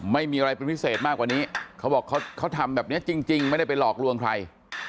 ไม่มีอะไรแบบพิเศษมากกว่านี้เขาทำแบบเนี้ยจริงไม่ได้ไปหลอกร่วงใคร